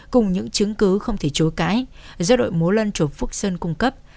cùng những chứng cứ không thể chối cãi do đội múa lân trốn phúc sơn cung cấp